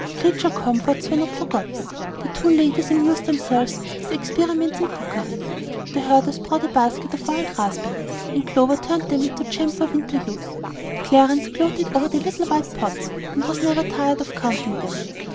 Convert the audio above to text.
Creature comforts were not forgotten. The two ladies amused themselves with experiments in cookery. The herders brought a basket of wild raspberries, and Clover turned them into jam for winter use. Clarence gloated over the little white pots, and was never tired of counting them.